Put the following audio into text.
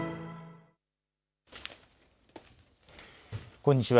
こんにちは。